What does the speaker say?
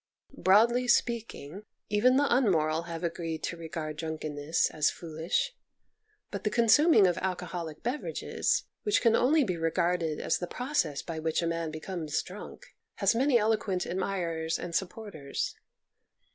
Broadly speaking, even the unmoral have agreed to regard drunkenness as foolish, but the con suming of alcoholic beverages, which can only be regarded as the process by which a man becomes drunk, has many eloquent admirers and supporters.